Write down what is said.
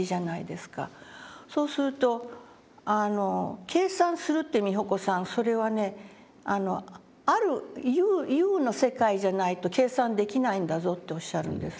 そうすると「計算するって美穂子さんそれはね有る有の世界じゃないと計算できないんだぞ」っておっしゃるんですね。